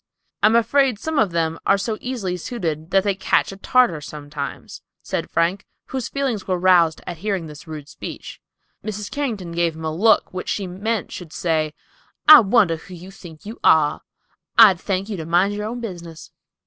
"I am afraid some of them are so easily suited that they catch a Tartar sometimes," said Frank, whose feelings were roused at hearing this rude speech. Mrs. Carrington gave him a look which she meant should say, "I wonder who you think you are. I'd thank you to mind your own business."